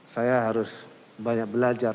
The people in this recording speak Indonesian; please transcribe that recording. saya harus banyak belajar